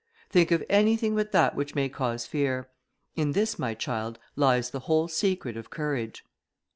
Think of anything but that which may cause fear. In this, my child, lies the whole secret of courage."